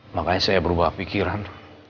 makanya saya berubah pikiran